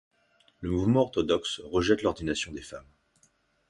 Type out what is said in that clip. Le mouvement orthodoxe rejette l’ordination des femmes.